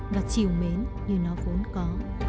và chiều mến như nó vốn có